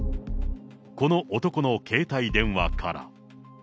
この男の携帯電話から。